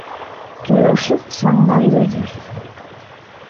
Que hoxe son moi vellos.